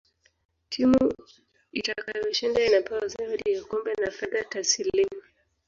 timu itakayoshinda inapewa zawadi ya kombe na fedha tasilimu